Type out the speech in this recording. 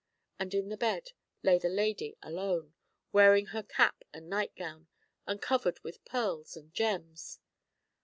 And in the bed lay the lady alone, wearing her cap and night gown, and covered with pearls and gems.